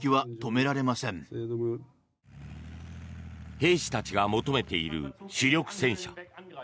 兵士たちが求めている主力戦車。